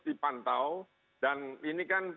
dipantau dan ini kan